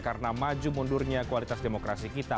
karena maju mundurnya kualitas demokrasi kita